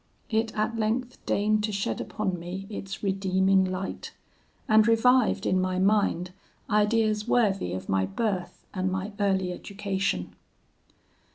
It at length deigned to shed upon me its redeeming light, and revived in my mind ideas worthy of my birth and my early education.